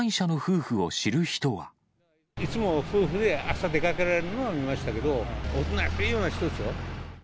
いつも夫婦で朝、出かけられるのは見ましたけど、おとなしいような人ですよ。